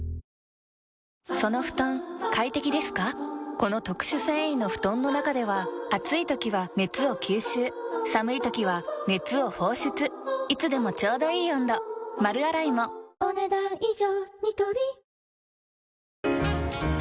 この特殊繊維の布団の中では暑い時は熱を吸収寒い時は熱を放出いつでもちょうどいい温度丸洗いもお、ねだん以上。